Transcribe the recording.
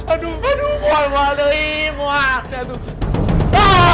aduh aduh waduh waduh ih muak jatuh